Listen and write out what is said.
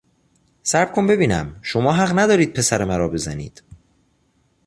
صبر کن ببینم، شما حق ندارید پسر مرا بزنید!